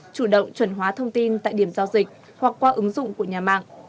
chủ động chuẩn hóa thông tin tại điểm giao dịch hoặc qua ứng dụng của nhà mạng